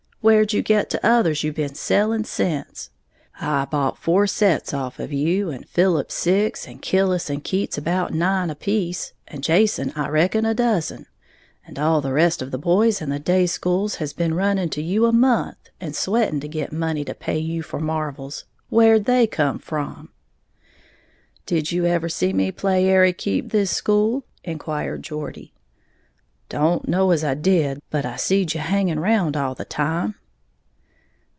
Where'd you get t'others you been selling sence? I bought four sets off of you, and Philip six, and Killis and Keats about nine apiece, and Jason I reckon a dozen, and all the rest of the boys and the day schools has been running to you a month, and sweating to get money to pay you for marvles. Where'd they come from?" "Did you ever see me play ary keep this school?" inquired Geordie. "Don't know as I did; but I seed you hangin' round all the time."